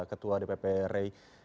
ketua dpp rei